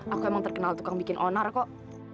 aku emang terkenal tukang bikin onar kok